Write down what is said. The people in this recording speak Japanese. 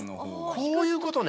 こういうことね。